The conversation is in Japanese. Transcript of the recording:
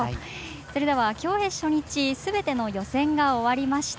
それでは競泳初日すべての予選が終わりました。